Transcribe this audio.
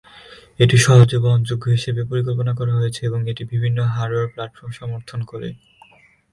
এটি সহজে বহনযোগ্য হিসাবে পরিকল্পনা করা হয়েছে এবং এটি বিভিন্ন ধরণের হার্ডওয়্যার প্ল্যাটফর্ম সমর্থন করে।